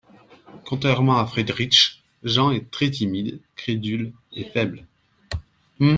Contrairement à Friedrich, Jean est très timide, crédule et faible.